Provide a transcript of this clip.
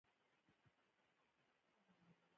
ډرامه د ادب یوه برخه ده